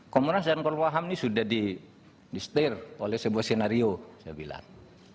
kompol nas dan kompol nas ham ini sudah di stir oleh sebuah senario saya bilang